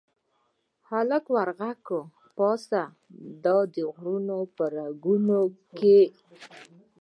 هلک ور ږغ کړل، پاس د غرونو په رګونو کې